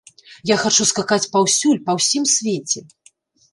Я хачу скакаць паўсюль, па ўсім свеце.